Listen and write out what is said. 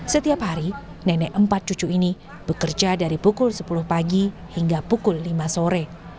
setiap hari nenek empat cucu ini bekerja dari pukul sepuluh pagi hingga pukul lima sore